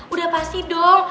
udah pasti dong